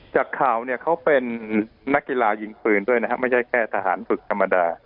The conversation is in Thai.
จากข่าวเนี่ยเขาเป็นนักกีฬายิงปืนด้วยนะครับไม่ใช่แค่ทหารฝึกธรรมดา